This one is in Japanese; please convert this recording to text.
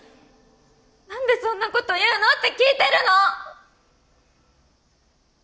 何でそんなこと言うのって聞いてるの！